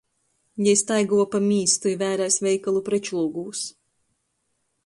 Jei staigova pa mīstu i vērēs veikalu prečlūgūs.